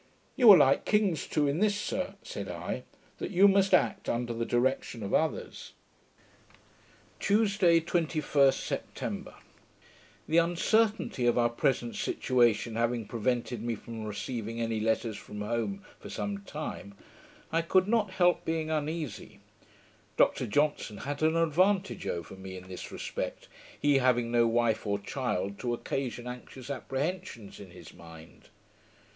'You are like kings too in this, sir,' said I, 'that you must act under the direction of others.' Tuesday, 21st September The uncertainty of our present situation having prevented me from receiving any letters from home for some time, I could not help being uneasy. Dr Johnson had an advantage over me, in this respect, he having no wife or child to occasion anxious apprehensions in his mind.